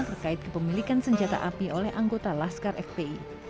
terkait kepemilikan senjata api oleh anggota laskar fpi